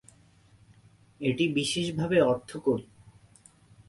এটি বিশেষভাবে অর্থকরী।